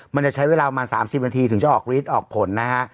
มันจะใช้เวลาประมาณ๓๐นาทีถึงจะออกฤทธิ์ออกผลนะฮะ